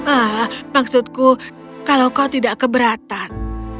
ah maksudku kalau kau tidak keberatan